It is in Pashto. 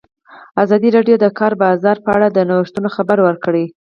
ازادي راډیو د د کار بازار په اړه د نوښتونو خبر ورکړی.